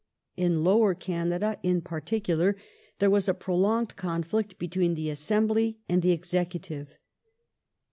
In Lower Canada, in particular, there was a prolonged conflict be tween the Assembly and the Executive.